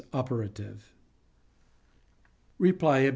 operative. Reply Obj.